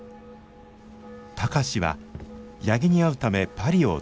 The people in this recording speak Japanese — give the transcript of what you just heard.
貴司は八木に会うためパリを訪れました。